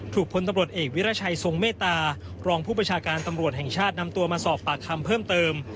พลตำรวจเอกวิราชัยทรงเมตตารองผู้ประชาการตำรวจแห่งชาตินำตัวมาสอบปากคำเพิ่มเติม